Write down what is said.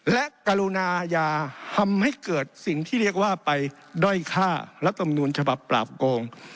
และกรุณาอาญาทำให้เกิดสิ่งที่เรียกว่าไปด้อยฆ่ารัฐมนูญฉบับปราบโกง